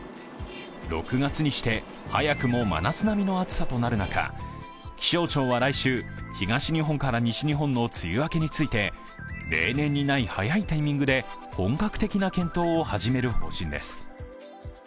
６月にして、早くも真夏並みの暑さとなる中気象庁は来週、東日本から西日本の梅雨明けについて例年にない早いタイミングで本格的な検討を始める方針です。